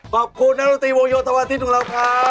ขอบคุณนักดนตรีวงโยธวาทิศของเราครับ